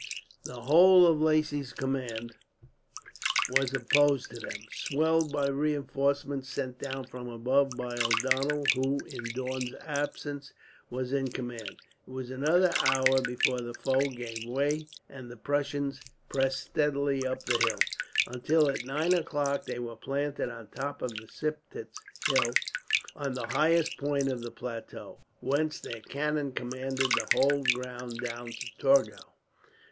The whole of Lacy's command was opposed to them, swelled by reinforcements sent down from above by O'Donnel who, in Daun's absence, was in command. It was another hour before the foe gave way, and the Prussians pressed steadily up the hill; until at nine o'clock they were planted on the top of the Siptitz hill, on the highest point of the plateau, whence their cannon commanded the whole ground down to Torgau.